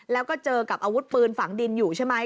แล้วก็เจอกับอาวุธปืนฝังดินอยู่ใช่ไหม